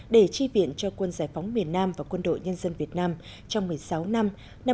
để tri viện cho quân giải phóng miền nam và quân đội nhân dân việt nam trong một mươi sáu năm